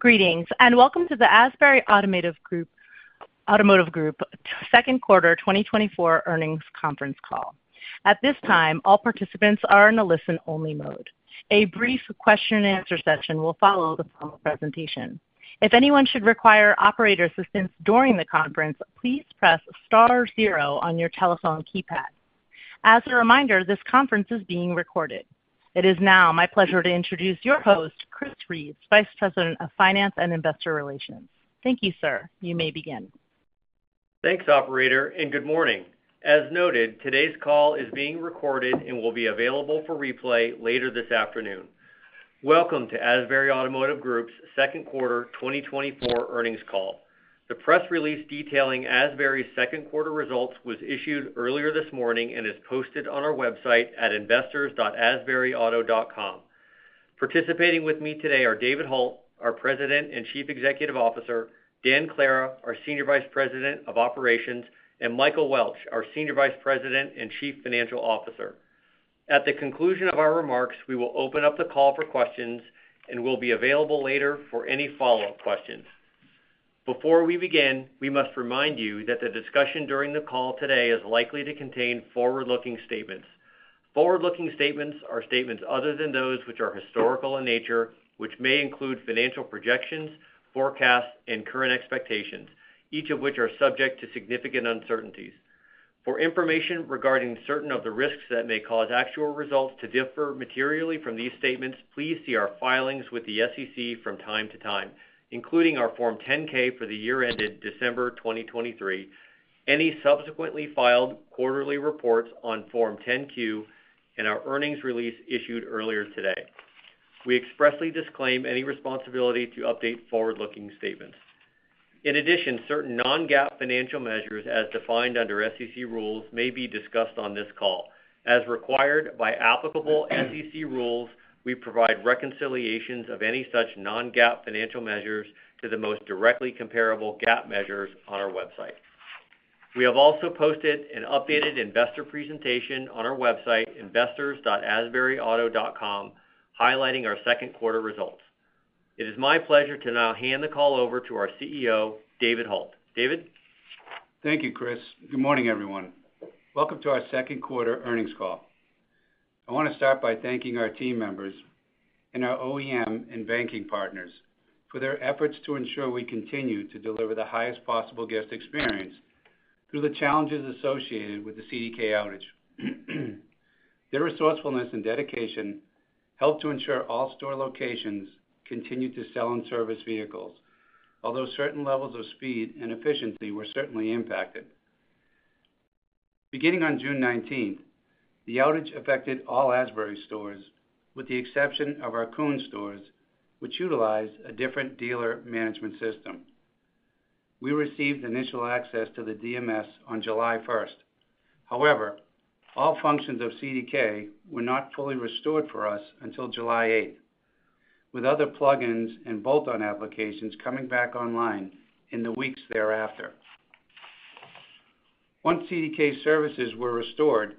Greetings, and welcome to the Asbury Automotive Group Second Quarter 2024 Earnings Conference Call. At this time, all participants are in a listen-only mode. A brief question-and-answer session will follow the formal presentation. If anyone should require operator assistance during the conference, please press star zero on your telephone keypad. As a reminder, this conference is being recorded. It is now my pleasure to introduce your host, Chris Reeves, Vice President of Finance and Investor Relations. Thank you, sir. You may begin. Thanks, operator, and good morning. As noted, today's call is being recorded and will be available for replay later this afternoon. Welcome to Asbury Automotive Group's second quarter 2024 earnings call. The press release detailing Asbury's second quarter results was issued earlier this morning and is posted on our website at investors.asburyauto.com. Participating with me today are David Hult, our President and Chief Executive Officer, Dan Clara, our Senior Vice President of Operations, and Michael Welch, our Senior Vice President and Chief Financial Officer. At the conclusion of our remarks, we will open up the call for questions and will be available later for any follow-up questions. Before we begin, we must remind you that the discussion during the call today is likely to contain forward-looking statements. Forward-looking statements are statements other than those which are historical in nature, which may include financial projections, forecasts, and current expectations, each of which are subject to significant uncertainties. For information regarding certain of the risks that may cause actual results to differ materially from these statements, please see our filings with the SEC from time to time, including our Form 10-K for the year ended December 2023, any subsequently filed quarterly reports on Form 10-Q, and our earnings release issued earlier today. We expressly disclaim any responsibility to update forward-looking statements. In addition, certain non-GAAP financial measures as defined under SEC rules may be discussed on this call. As required by applicable SEC rules, we provide reconciliations of any such non-GAAP financial measures to the most directly comparable GAAP measures on our website. We have also posted an updated investor presentation on our website, investors.asburyauto.com, highlighting our second quarter results. It is my pleasure to now hand the call over to our CEO, David Hult. David? Thank you, Chris. Good morning, everyone. Welcome to our second quarter earnings call. I want to start by thanking our team members and our OEM and banking partners for their efforts to ensure we continue to deliver the highest possible guest experience through the challenges associated with the CDK outage. Their resourcefulness and dedication helped to ensure all store locations continued to sell and service vehicles, although certain levels of speed and efficiency were certainly impacted. Beginning on June 19, the outage affected all Asbury stores, with the exception of our Koons stores, which utilized a different dealer management system. We received initial access to the DMS on July 1. However, all functions of CDK were not fully restored for us until July 8, with other plugins and bolt-on applications coming back online in the weeks thereafter. Once CDK services were restored,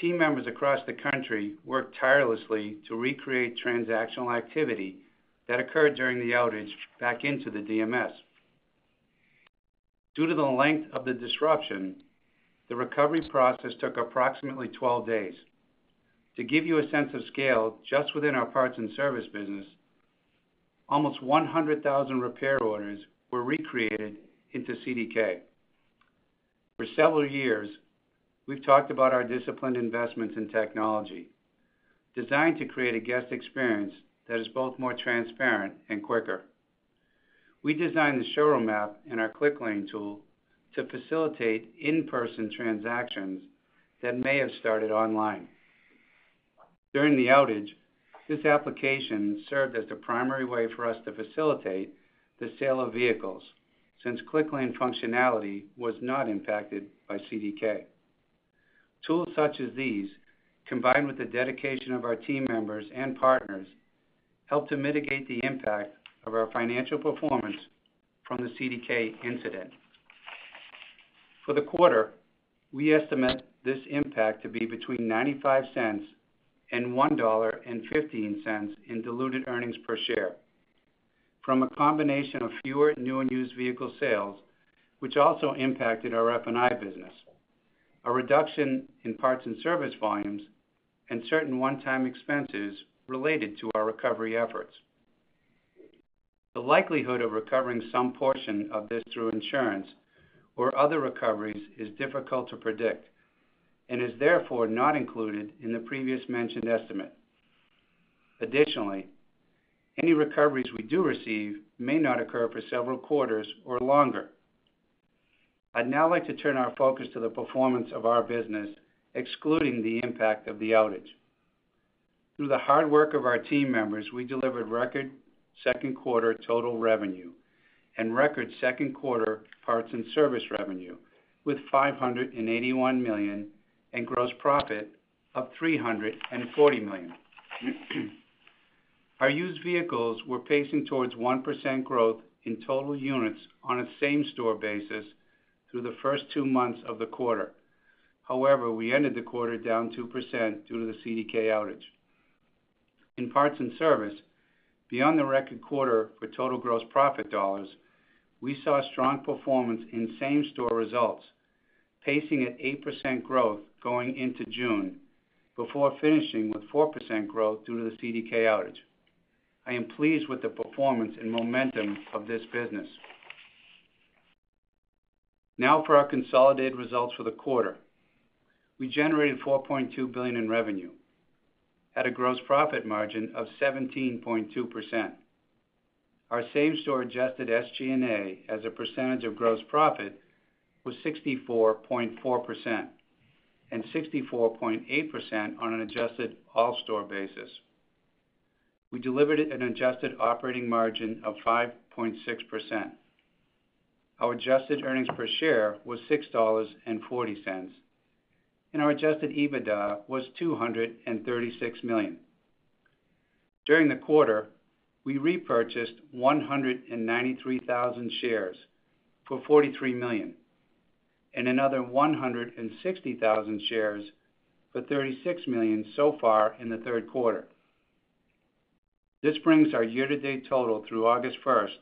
team members across the country worked tirelessly to recreate transactional activity that occurred during the outage back into the DMS. Due to the length of the disruption, the recovery process took approximately 12 days. To give you a sense of scale, just within our parts and service business, almost 100,000 repair orders were recreated into CDK. For several years, we've talked about our disciplined investments in technology, designed to create a guest experience that is both more transparent and quicker. We designed the showroom app and our ClickLane tool to facilitate in-person transactions that may have started online. During the outage, this application served as the primary way for us to facilitate the sale of vehicles, since ClickLane functionality was not impacted by CDK. Tools such as these, combined with the dedication of our team members and partners, helped to mitigate the impact of our financial performance from the CDK incident. For the quarter, we estimate this impact to be between $0.95 and $1.15 in diluted earnings per share from a combination of fewer new and used vehicle sales, which also impacted our F&I business, a reduction in parts and service volumes, and certain one-time expenses related to our recovery efforts. The likelihood of recovering some portion of this through insurance or other recoveries is difficult to predict and is therefore not included in the previously mentioned estimate. Additionally, any recoveries we do receive may not occur for several quarters or longer. I'd now like to turn our focus to the performance of our business, excluding the impact of the outage. Through the hard work of our team members, we delivered record second quarter total revenue and record second quarter parts and service revenue, with $581 million, and gross profit of $340 million. Our used vehicles were pacing towards 1% growth in total units on a same-store basis through the first two months of the quarter. However, we ended the quarter down 2% due to the CDK outage. In parts and service, beyond the record quarter for total gross profit dollars, we saw a strong performance in same-store results, pacing at 8% growth going into June, before finishing with 4% growth due to the CDK outage. I am pleased with the performance and momentum of this business. Now for our consolidated results for the quarter. We generated $4.2 billion in revenue, at a gross profit margin of 17.2%. Our same-store adjusted SG&A, as a percentage of gross profit, was 64.4%, and 64.8% on an adjusted all-store basis. We delivered an adjusted operating margin of 5.6%. Our adjusted earnings per share was $6.40, and our adjusted EBITDA was $236 million. During the quarter, we repurchased 193,000 shares for $43 million, and another 160,000 shares for $36 million so far in the third quarter. This brings our year-to-date total through August first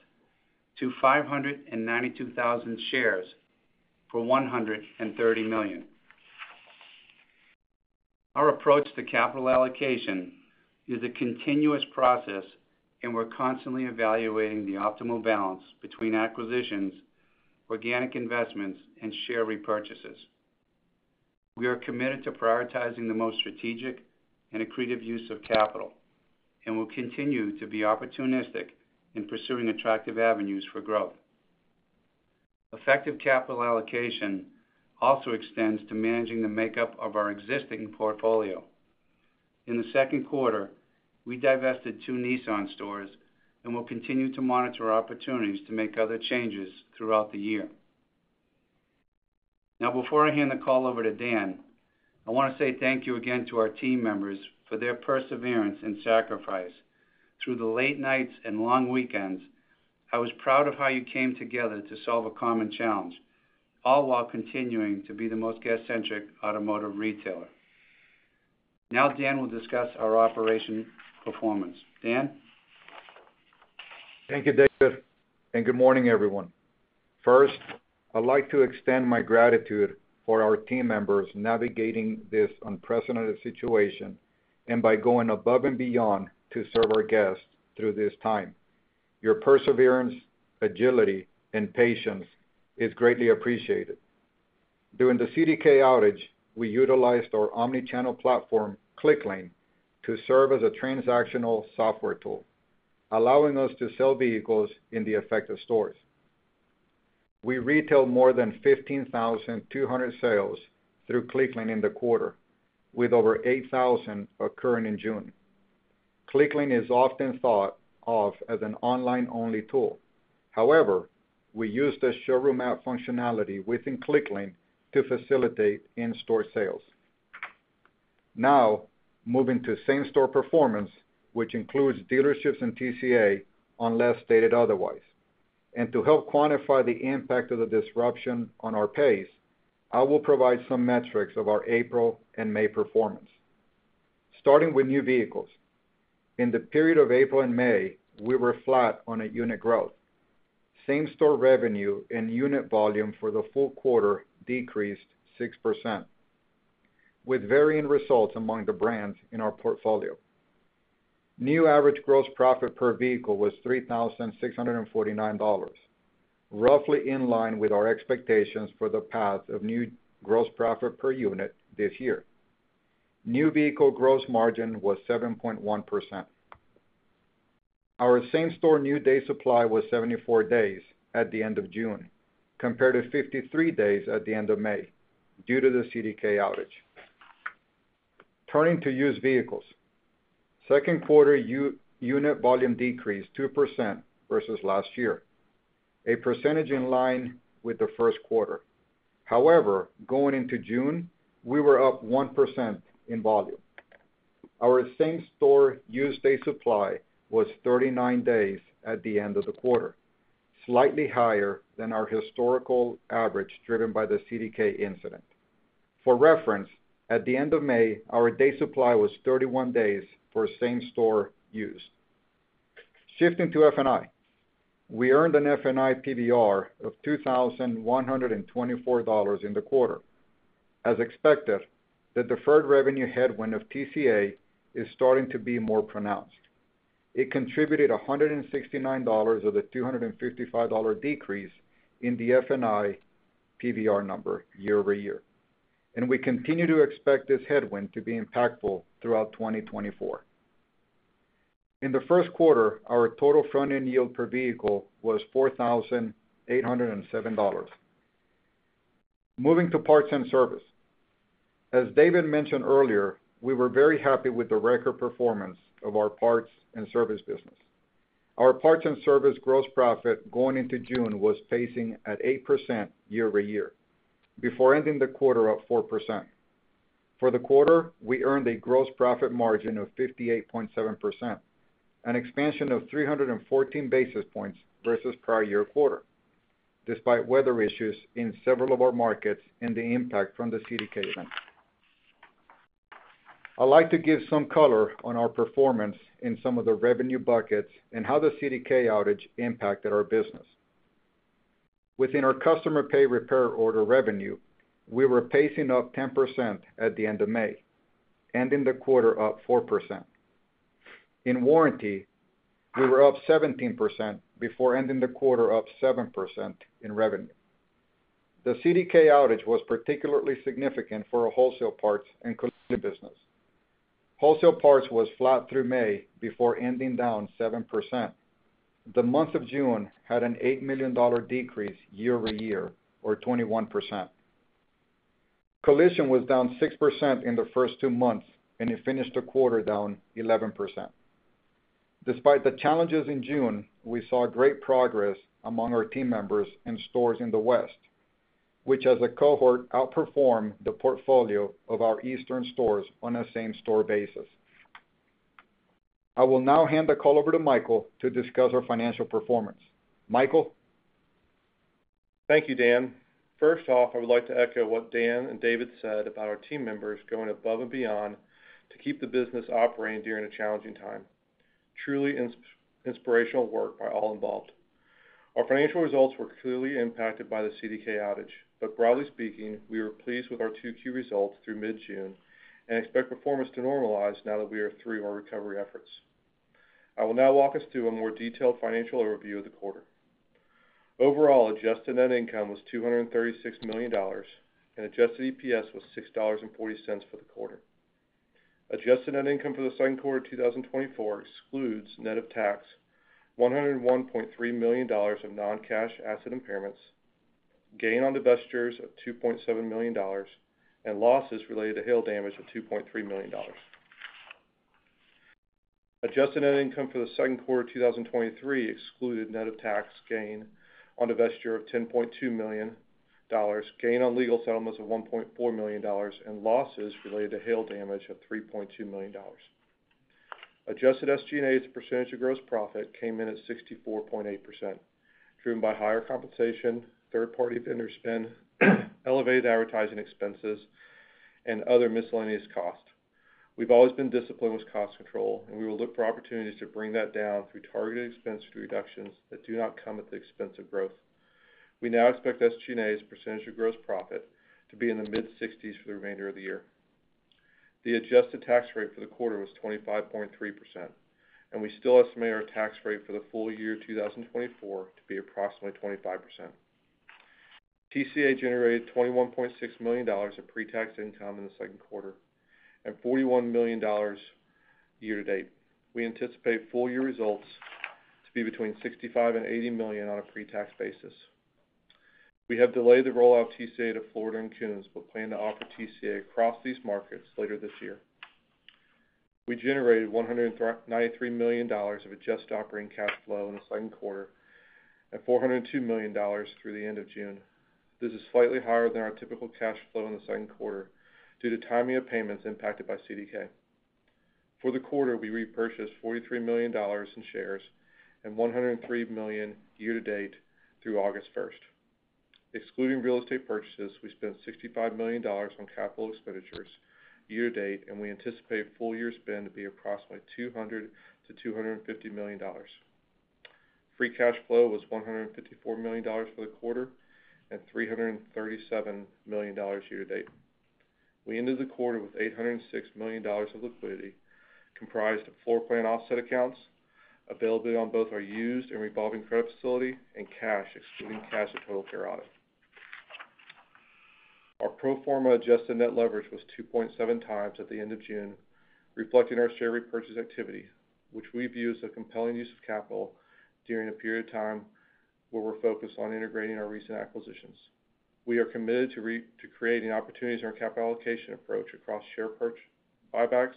to 592,000 shares for $130 million. Our approach to capital allocation is a continuous process, and we're constantly evaluating the optimal balance between acquisitions, organic investments, and share repurchases. We are committed to prioritizing the most strategic and accretive use of capital, and we'll continue to be opportunistic in pursuing attractive avenues for growth. Effective capital allocation also extends to managing the makeup of our existing portfolio. In the second quarter, we divested two Nissan stores and will continue to monitor opportunities to make other changes throughout the year. Now, before I hand the call over to Dan, I want to say thank you again to our team members for their perseverance and sacrifice. Through the late nights and long weekends, I was proud of how you came together to solve a common challenge, all while continuing to be the most guest-centric automotive retailer. Now Dan will discuss our operational performance. Dan? Thank you, David, and good morning, everyone. First, I'd like to extend my gratitude for our team members navigating this unprecedented situation and by going above and beyond to serve our guests through this time. Your perseverance, agility, and patience is greatly appreciated. During the CDK outage, we utilized our omni-channel platform, ClickLane, to serve as a transactional software tool, allowing us to sell vehicles in the affected stores. We retailed more than 15,200 sales through ClickLane in the quarter, with over 8,000 occurring in June. ClickLane is often thought of as an online-only tool. However, we use the showroom app functionality within ClickLane to facilitate in-store sales. Now, moving to same-store performance, which includes dealerships and TCA, unless stated otherwise. To help quantify the impact of the disruption on our pace, I will provide some metrics of our April and May performance. Starting with new vehicles. In the period of April and May, we were flat on a unit growth. Same-store revenue and unit volume for the full quarter decreased 6%, with varying results among the brands in our portfolio. New average gross profit per vehicle was $3,649, roughly in line with our expectations for the path of new gross profit per unit this year. New vehicle gross margin was 7.1%. Our same-store new day supply was 74 days at the end of June, compared to 53 days at the end of May, due to the CDK outage. Turning to used vehicles. Second quarter unit volume decreased 2% versus last year, a percentage in line with the first quarter. However, going into June, we were up 1% in volume. Our same-store used day supply was 39 days at the end of the quarter, slightly higher than our historical average, driven by the CDK incident. For reference, at the end of May, our day supply was 31 days for same-store used. Shifting to F&I. We earned an F&I PVR of $2,124 in the quarter. As expected, the deferred revenue headwind of TCA is starting to be more pronounced. It contributed $169 of the $255 decrease in the F&I PVR number year over year, and we continue to expect this headwind to be impactful throughout 2024. In the first quarter, our total front-end yield per vehicle was $4,807. Moving to parts and service. As David mentioned earlier, we were very happy with the record performance of our parts and service business. Our parts and service gross profit going into June was pacing at 8% year-over-year, before ending the quarter up 4%.... For the quarter, we earned a gross profit margin of 58.7%, an expansion of 314 basis points versus prior year quarter, despite weather issues in several of our markets and the impact from the CDK event. I'd like to give some color on our performance in some of the revenue buckets and how the CDK outage impacted our business. Within our customer pay repair order revenue, we were pacing up 10% at the end of May, ending the quarter up 4%. In warranty, we were up 17% before ending the quarter up 7% in revenue. The CDK outage was particularly significant for our wholesale parts and collision business. Wholesale parts was flat through May before ending down 7%. The month of June had an $8 million decrease year-over-year, or 21%. Collision was down 6% in the first two months, and it finished the quarter down 11%. Despite the challenges in June, we saw great progress among our team members in stores in the West, which, as a cohort, outperformed the portfolio of our Eastern stores on a same-store basis. I will now hand the call over to Michael to discuss our financial performance. Michael? Thank you, Dan. First off, I would like to echo what Dan and David said about our team members going above and beyond to keep the business operating during a challenging time. Truly inspirational work by all involved. Our financial results were clearly impacted by the CDK outage, but broadly speaking, we were pleased with our 2Q results through mid-June and expect performance to normalize now that we are through our recovery efforts. I will now walk us through a more detailed financial overview of the quarter. Overall, adjusted net income was $236 million, and adjusted EPS was $6.40 for the quarter. Adjusted net income for the second quarter of 2024 excludes net of tax, $101.3 million of non-cash asset impairments, gain on divestitures of $2.7 million, and losses related to hail damage of $2.3 million. Adjusted net income for the second quarter of 2023 excluded net of tax gain on divestiture of $10.2 million, gain on legal settlements of $1.4 million, and losses related to hail damage of $3.2 million. Adjusted SG&A as a percentage of gross profit came in at 64.8%, driven by higher compensation, third-party vendor spend, elevated advertising expenses, and other miscellaneous costs. We've always been disciplined with cost control, and we will look for opportunities to bring that down through targeted expense reductions that do not come at the expense of growth. We now expect SG&A as a percentage of gross profit to be in the mid-60s for the remainder of the year. The adjusted tax rate for the quarter was 25.3%, and we still estimate our tax rate for the full year 2024 to be approximately 25%. TCA generated $21.6 million of pretax income in the second quarter and $41 million year-to-date. We anticipate full year results to be between $65 million and $80 million on a pretax basis. We have delayed the rollout of TCA to Florida and Koons, but plan to offer TCA across these markets later this year. We generated $193 million of adjusted operating cash flow in the second quarter and $402 million through the end of June. This is slightly higher than our typical cash flow in the second quarter due to timing of payments impacted by CDK. For the quarter, we repurchased $43 million in shares and $103 million year-to-date through August 1. Excluding real estate purchases, we spent $65 million on capital expenditures year-to-date, and we anticipate full year spend to be approximately $200 million-$250 million. Free cash flow was $154 million for the quarter and $337 million year-to-date. We ended the quarter with $806 million of liquidity, comprised of floor plan offset accounts, availability on both our used and revolving credit facility, and cash, excluding cash at Total Care Auto. Our pro forma adjusted net leverage was 2.7 times at the end of June, reflecting our share repurchase activity, which we view as a compelling use of capital during a period of time where we're focused on integrating our recent acquisitions. We are committed to creating opportunities in our capital allocation approach across share buybacks,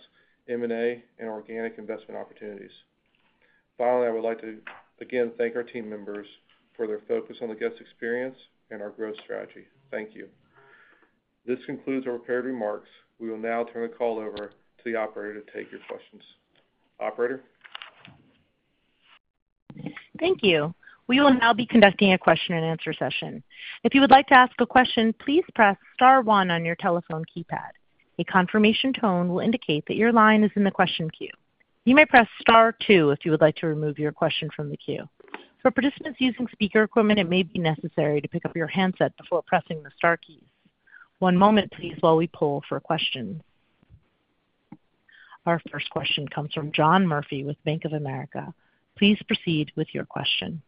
M&A, and organic investment opportunities. Finally, I would like to again thank our team members for their focus on the guest experience and our growth strategy. Thank you. This concludes our prepared remarks. We will now turn the call over to the operator to take your questions. Operator? Thank you. We will now be conducting a question-and-answer session. If you would like to ask a question, please press star one on your telephone keypad. A confirmation tone will indicate that your line is in the question queue. You may press Star two if you would like to remove your question from the queue. For participants using speaker equipment, it may be necessary to pick up your handset before pressing the star keys. One moment, please, while we poll for questions. Our first question comes from John Murphy with Bank of America. Please proceed with your question.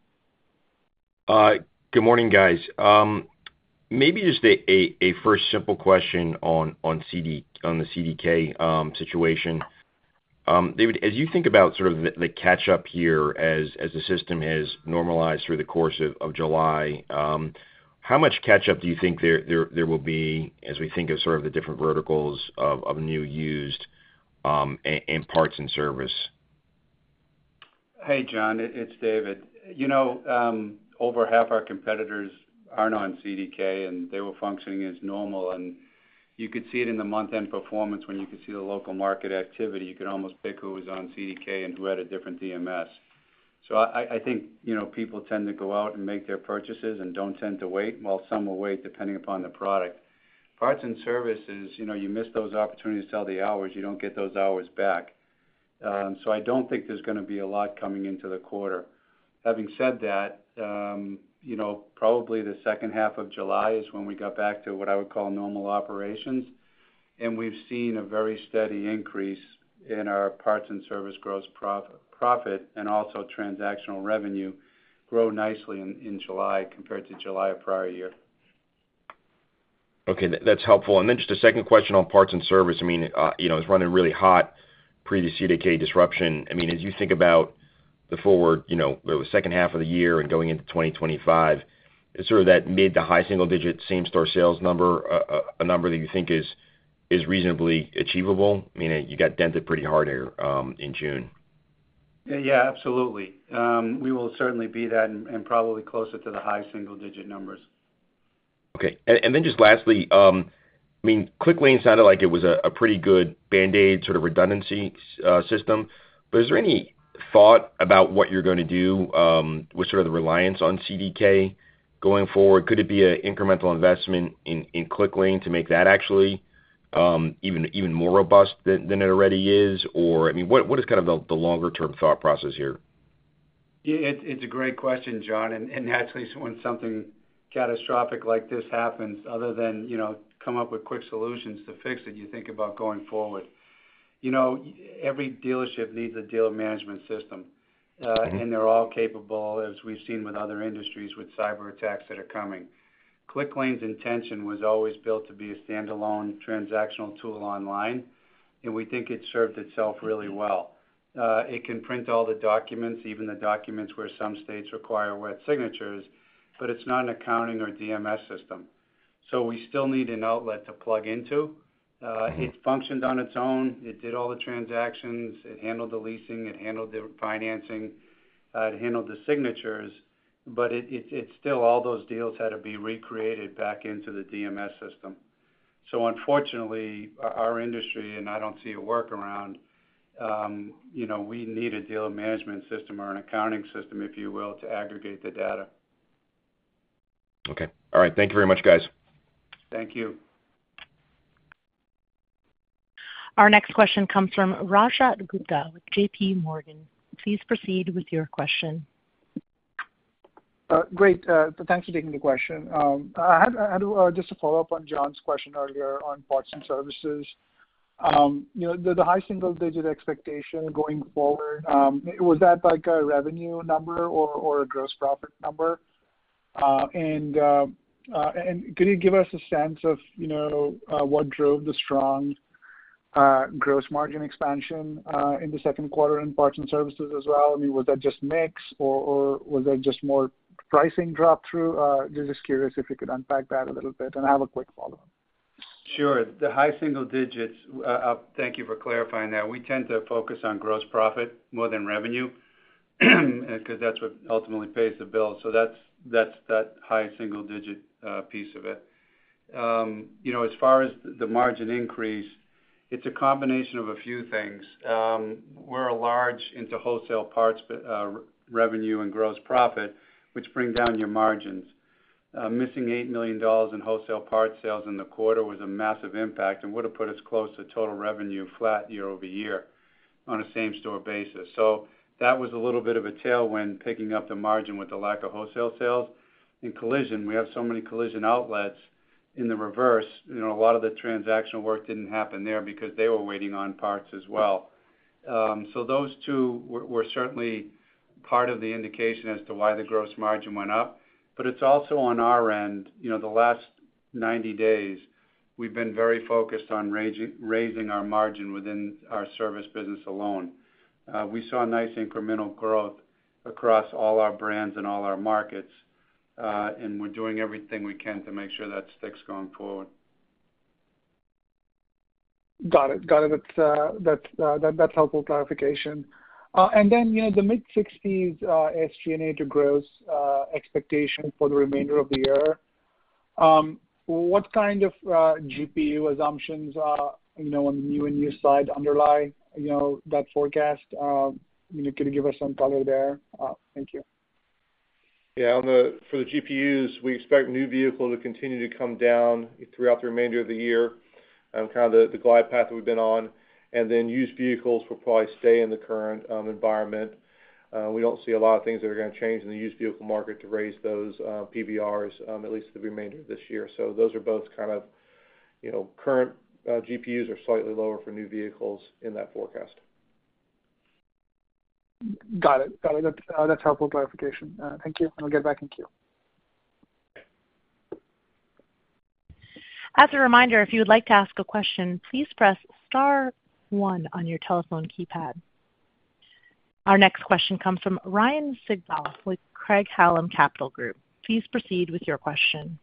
Good morning, guys. Maybe just a first simple question on the CDK situation. David, as you think about sort of the catch up here as the system has normalized through the course of July, how much catch-up do you think there will be as we think of sort of the different verticals of new, used, and parts and service?... Hey, John, it's David. You know, over half our competitors aren't on CDK, and they were functioning as normal, and you could see it in the month-end performance when you could see the local market activity. You could almost pick who was on CDK and who had a different DMS. So I think, you know, people tend to go out and make their purchases and don't tend to wait, while some will wait, depending upon the product. Parts and services, you know, you miss those opportunities to sell the hours, you don't get those hours back. So I don't think there's gonna be a lot coming into the quarter. Having said that, you know, probably the second half of July is when we got back to what I would call normal operations, and we've seen a very steady increase in our parts and service gross profit and also transactional revenue grow nicely in July compared to July of prior year. Okay, that, that's helpful. And then just a second question on parts and service. I mean, you know, it's running really hot, pre the CDK disruption. I mean, as you think about the forward, you know, the second half of the year and going into 2025, is sort of that mid- to high-single-digit same-store sales number a number that you think is reasonably achievable? I mean, you got dented pretty hard here in June. Yeah, absolutely. We will certainly be that and probably closer to the high single digit numbers. Okay. And then just lastly, I mean, ClickLane sounded like it was a pretty good band-aid sort of redundancy system. But is there any thought about what you're going to do with sort of the reliance on CDK going forward? Could it be an incremental investment in ClickLane to make that actually even more robust than it already is? Or, I mean, what is kind of the longer-term thought process here? Yeah, it's a great question, John. And naturally, when something catastrophic like this happens, other than, you know, come up with quick solutions to fix it, you think about going forward. You know, every dealership needs a dealer management system. Mm-hmm. and they're all capable, as we've seen with other industries, with cyberattacks that are coming. ClickLane's intention was always built to be a standalone transactional tool online, and we think it served itself really well. It can print all the documents, even the documents where some states require wet signatures, but it's not an accounting or DMS system. So we still need an outlet to plug into. Mm-hmm. It functioned on its own. It did all the transactions. It handled the leasing, it handled the financing, it handled the signatures, but it's still all those deals had to be recreated back into the DMS system. So unfortunately, our industry, and I don't see a workaround, you know, we need a dealer management system or an accounting system, if you will, to aggregate the data. Okay. All right. Thank you very much, guys. Thank you. Our next question comes from Rajat Gupta with J.P. Morgan. Please proceed with your question. Great. So thanks for taking the question. I had just to follow up on John's question earlier on parts and services. You know, the high single digit expectation going forward, was that like a revenue number or a gross profit number? And can you give us a sense of, you know, what drove the strong gross margin expansion in the second quarter in parts and services as well? I mean, was that just mix or was that just more pricing drop through? Just curious if you could unpack that a little bit, and I have a quick follow-up. Sure. The high single digits, thank you for clarifying that. We tend to focus on gross profit more than revenue, because that's what ultimately pays the bills. So that's, that's that high single digit piece of it. You know, as far as the margin increase, it's a combination of a few things. We're large into wholesale parts, but revenue and gross profit, which bring down your margins. Missing $8 million in wholesale parts sales in the quarter was a massive impact and would have put us close to total revenue flat year over year on a same store basis. So that was a little bit of a tailwind, picking up the margin with the lack of wholesale sales. In collision, we have so many collision outlets in the reverse. You know, a lot of the transactional work didn't happen there because they were waiting on parts as well. So those two were certainly part of the indication as to why the gross margin went up. But it's also on our end. You know, the last 90 days, we've been very focused on raising our margin within our service business alone. We saw a nice incremental growth across all our brands and all our markets, and we're doing everything we can to make sure that sticks going forward. Got it. Got it. That's helpful clarification. And then, you know, the mid-60s SG&A to gross expectation for the remainder of the year, what kind of GPU assumptions, you know, on the new and used side underlie, you know, that forecast? Can you give us some color there? Thank you. Yeah, on the GPUs, we expect new vehicle to continue to come down throughout the remainder of the year, kind of the glide path that we've been on. And then used vehicles will probably stay in the current environment. We don't see a lot of things that are going to change in the used vehicle market to raise those PVRs, at least the remainder of this year. So those are both kind of, you know, current GPUs are slightly lower for new vehicles in that forecast. Got it. Got it. That's, that's helpful clarification. Thank you. I'll get back in queue. As a reminder, if you would like to ask a question, please press star one on your telephone keypad. Our next question comes from Ryan Sigdahl with Craig-Hallum Capital Group. Please proceed with your question.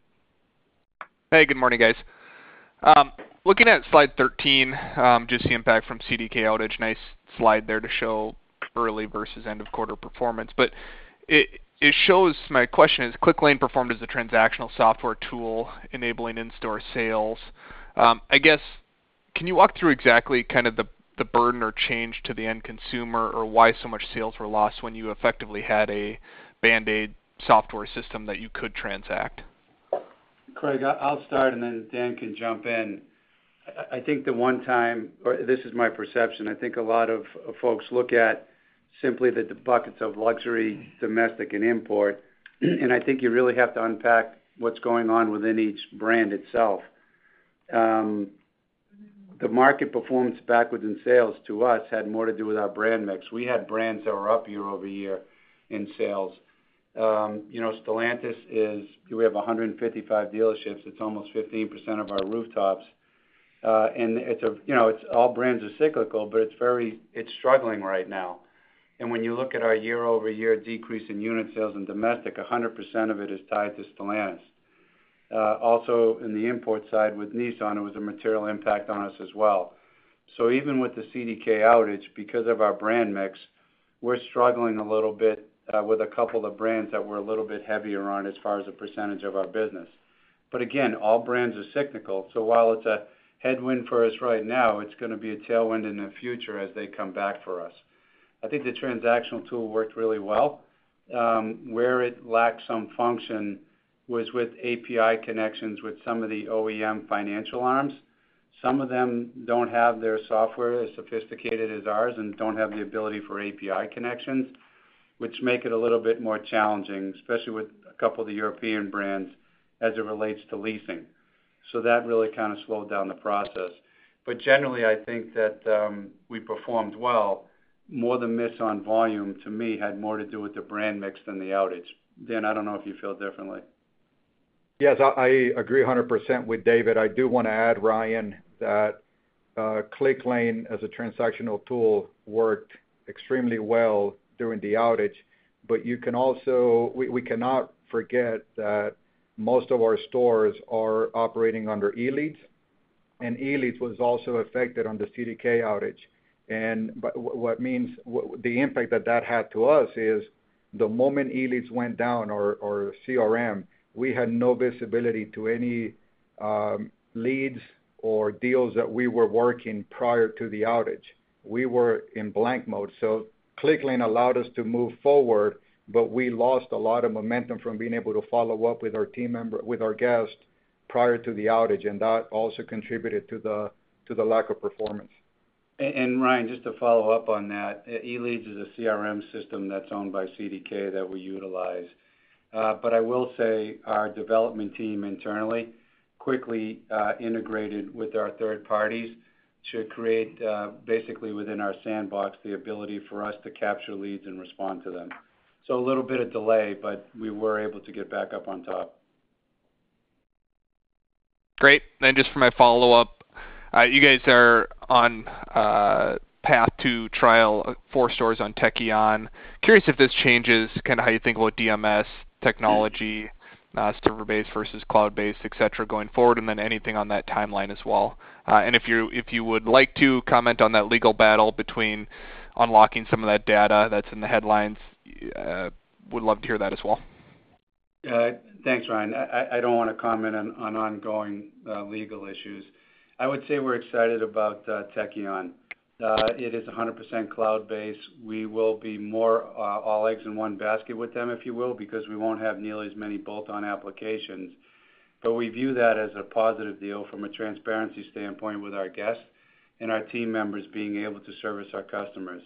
Hey, good morning, guys. Looking at slide 13, just the impact from CDK outage. Nice slide there to show early versus end of quarter performance. But it shows... My question is, ClickLane performed as a transactional software tool, enabling in-store sales. I guess, can you walk through exactly kind of the burden or change to the end consumer, or why so much sales were lost when you effectively had a band-aid software system that you could transact? Craig, I'll start, and then Dan can jump in. I think the one time, or this is my perception, I think a lot of folks look at simply the buckets of luxury, domestic, and import, and I think you really have to unpack what's going on within each brand itself. The market performance backwards in sales, to us, had more to do with our brand mix. We had brands that were up year-over-year in sales. You know, Stellantis is... We have 155 dealerships. It's almost 15% of our rooftops. And it's a, you know, it's all brands are cyclical, but it's very, it's struggling right now. And when you look at our year-over-year decrease in unit sales and domestic, 100% of it is tied to Stellantis. Also, in the import side with Nissan, it was a material impact on us as well. So even with the CDK outage, because of our brand mix, we're struggling a little bit with a couple of brands that we're a little bit heavier on as far as a percentage of our business. But again, all brands are cyclical, so while it's a headwind for us right now, it's gonna be a tailwind in the future as they come back for us. I think the transactional tool worked really well. Where it lacked some function was with API connections with some of the OEM financial arms. Some of them don't have their software as sophisticated as ours and don't have the ability for API connections, which make it a little bit more challenging, especially with a couple of the European brands, as it relates to leasing. So that really kind of slowed down the process. But generally, I think that we performed well. More the miss on volume, to me, had more to do with the brand mix than the outage. Dan, I don't know if you feel differently. Yes, I agree 100% with David. I do wanna add, Ryan, that ClickLane, as a transactional tool, worked extremely well during the outage. But you can also... We cannot forget that most of our stores are operating under Eleads, and Eleads was also affected on the CDK outage. But what that means is the impact that that had to us. The moment Eleads went down or CRM, we had no visibility to any leads or deals that we were working prior to the outage. We were in blank mode. So ClickLane allowed us to move forward, but we lost a lot of momentum from being able to follow up with our guests prior to the outage, and that also contributed to the lack of performance. And Ryan, just to follow up on that, Eleads is a CRM system that's owned by CDK that we utilize. But I will say our development team internally quickly integrated with our third parties to create basically within our sandbox the ability for us to capture leads and respond to them. So a little bit of delay, but we were able to get back up on top. Great. Then just for my follow-up, you guys are on path to trial 4 stores on Tekion. Curious if this changes kinda how you think about DMS technology, server-based versus cloud-based, et cetera, going forward, and then anything on that timeline as well. And if you would like to comment on that legal battle between unlocking some of that data that's in the headlines, would love to hear that as well. Thanks, Ryan. I don't wanna comment on ongoing legal issues. I would say we're excited about Tekion. It is 100% cloud-based. We will be more all eggs in one basket with them, if you will, because we won't have nearly as many bolt-on applications. But we view that as a positive deal from a transparency standpoint with our guests and our team members being able to service our customers.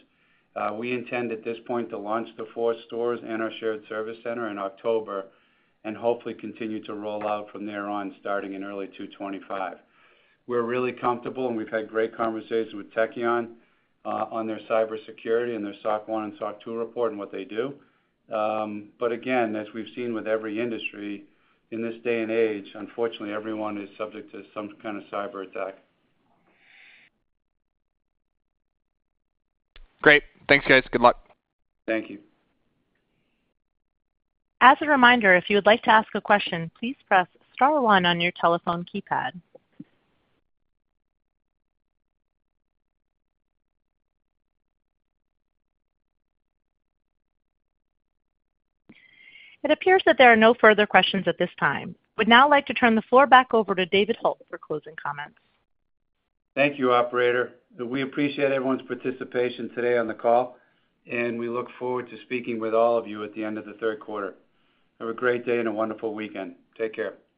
We intend, at this point, to launch the four stores and our shared service center in October, and hopefully continue to roll out from there on, starting in early 2025. We're really comfortable, and we've had great conversations with Tekion on their cybersecurity and their SOC 1 and SOC 2 report and what they do. But again, as we've seen with every industry, in this day and age, unfortunately, everyone is subject to some kind of cyberattack. Great. Thanks, guys. Good luck. Thank you. As a reminder, if you would like to ask a question, please press star one on your telephone keypad. It appears that there are no further questions at this time. I would now like to turn the floor back over to David Hult for closing comments. Thank you, operator. We appreciate everyone's participation today on the call, and we look forward to speaking with all of you at the end of the third quarter. Have a great day and a wonderful weekend. Take care.